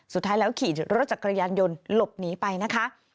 สุดท้ายแล้วขี่รถจักรยานยนต์หลบหนีไปนะคะ